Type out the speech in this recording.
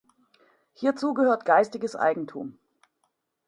Hierzu gehört geistiges Eigentum.